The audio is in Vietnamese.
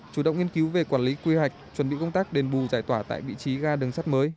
chủ động nghiên cứu về quản lý quy hoạch chuẩn bị công tác đền bù giải tỏa tại vị trí ga đường sắt mới